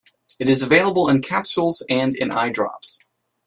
It is available in capsules and in eye drops.